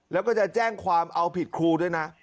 แล้วก็จะแจ้งความเอาผิดครูด้วยนะ